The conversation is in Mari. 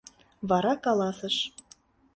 Вара каласыш: